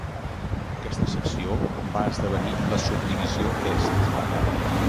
Aquesta secció va esdevenir la Subdivisió est.